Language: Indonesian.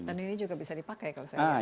dan ini juga bisa dipakai kalau saya ingat